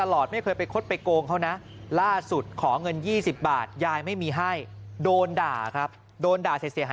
ล่าสุดขอเงิน๒๐บาทยายไม่มีให้โดนด่าครับโดนด่าเสีย